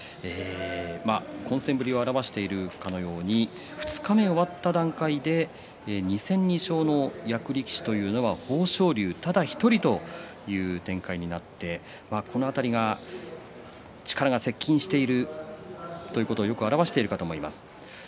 混戦ぶりを表しているかのように二日目、終わった段階で２戦２勝の役力士というのは豊昇龍ただ１人という展開になってこの辺り、力が接近しているということをよく表しているかと思います。